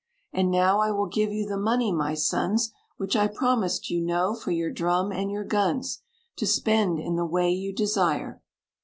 And now I will give you the money, my sons, Which I promised, you know, for your drum and your guns, To spend in the way you desire."